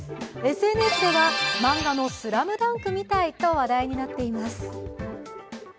ＳＮＳでは漫画の「ＳＬＡＭＤＵＮＫ」みたいと話題になっています。